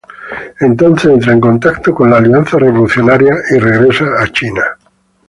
Entonces entra en contacto con la Alianza Revolucionaria y regresa a China.